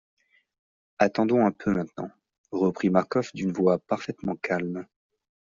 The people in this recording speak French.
Attendons un peu maintenant, reprit Marcof d'une voix parfaitement calme.